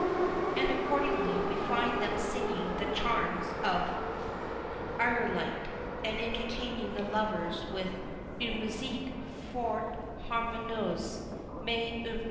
" And accordingly we find them singing the charms of Irolite, and entertaining the lovers with "une musique fort harmonieuse, mais un peu barbare."